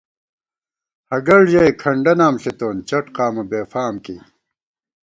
ہگڑ ژَئی کھنڈہ نام ݪِتون ، چٹ قامہ بےفام کېئی